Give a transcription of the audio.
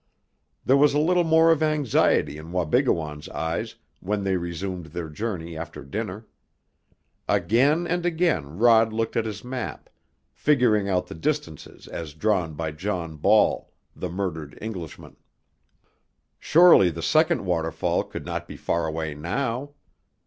There was a little more of anxiety in Wabigoon's eyes when they resumed their journey after dinner. Again and again Rod looked at his map, figuring out the distances as drawn by John Ball, the murdered Englishman. Surely the second waterfall could not be far away now!